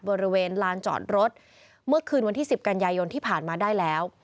บริเวณลานจอดรถเมื่อคืนวันที่สิบกันยายนที่ผ่านมาได้แล้ว